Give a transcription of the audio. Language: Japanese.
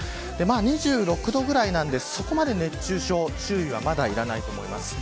２６度ぐらいなんで、そこまで熱中症も注意はまだ必要ないと思います。